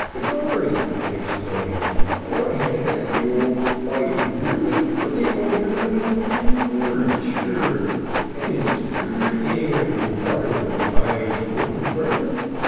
"Begorry!" he exclaimed, "if Oi hod that mule, Oi'd ruun 'im for alderman of the Tinth Ward. Shure, and it's phure air and wather the bye's votin fer.